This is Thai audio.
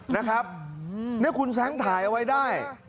นะครับนี่คุณแซ้งถ่ายเอาไว้ได้